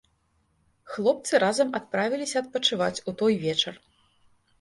Хлопцы разам адправіліся адпачываць у той вечар.